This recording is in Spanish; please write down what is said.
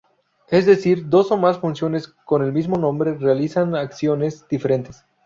Es decir, dos o más funciones con el mismo nombre realizan acciones diferentes.